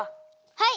はい！